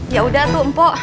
ya udah tuh mpo